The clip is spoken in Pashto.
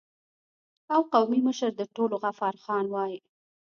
او قومي مشر د ټولو غفار خان وای